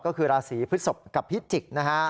ก็คือราศีพฤศพกับพิจิกษ์นะฮะ